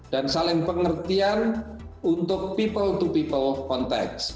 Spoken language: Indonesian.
dan saling pengertian untuk people to people context